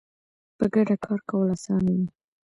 په ګډه کار کول اسانه وي